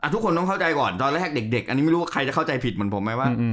ทุกคนต้องเข้าใจก่อนตอนแรกเด็กอันนี้ไม่รู้ว่าใครจะเข้าใจผิดเหมือนผมไหมว่า